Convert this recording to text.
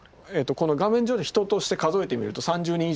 この画面上で人として数えてみると３０人以上いるんですけども。